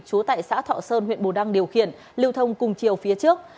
chú tại xã thọ sơn huyện bù đăng điều khiển lưu thông cùng chiều phía trước